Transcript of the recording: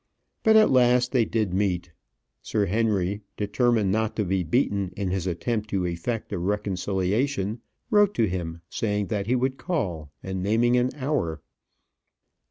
But at last they did meet. Sir Henry, determined not to be beaten in his attempt to effect a reconciliation, wrote to him, saying that he would call, and naming an hour.